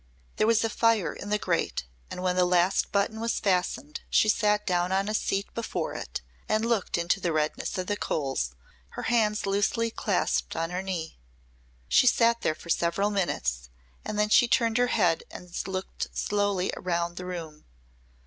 There was a fire in the grate and when the last button was fastened she sat down on a seat before it and looked into the redness of the coals, her hands loosely clasped on her knee. She sat there for several minutes and then she turned her head and looked slowly round the room.